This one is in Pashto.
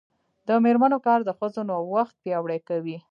د میرمنو کار د ښځو نوښت پیاوړتیا کوي.